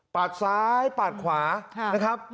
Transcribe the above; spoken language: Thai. ซ้ายปาดขวานะครับ